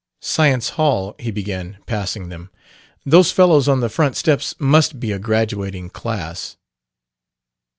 Science Hall," he began, passing them. "Those fellows on the front steps must be a graduating class.